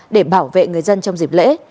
để bảo vệ người dân trong dịp lễ